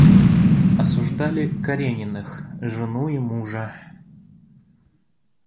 Осуждали Карениных, жену и мужа.